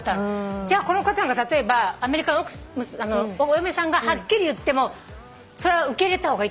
じゃあこの方が例えばお嫁さんがはっきり言ってもそれは受け入れた方がいいってこと？